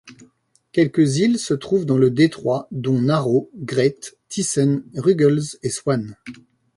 Quelques îles se trouvent dans le détroit dont Narrow, Great, Tyssen, Ruggles et Swan.